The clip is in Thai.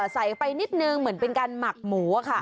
ใส่ไปนิดนึงเหมือนเป็นการหมักหมูค่ะ